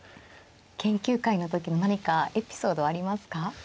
研究会の時の何かエピソードありますか？